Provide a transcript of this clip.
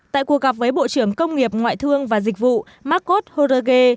tại cuộc gặp với bộ trưởng công nghiệp ngoại thương và dịch vụ marcos jorge